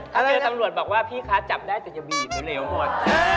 ถ้าเจอตำรวจบอกว่าพี่คะจับได้แต่อย่าบีบเร็วหมด